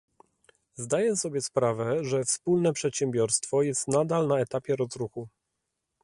Zdaję sobie sprawę, że wspólne przedsiębiorstwo jest nadal na etapie rozruchu